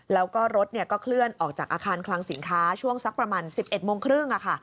แล้วก็รถก็เคลื่อนออกจากอาคารคลังสินค้าช่วงสักประมาณ๑๑โมงครึ่ง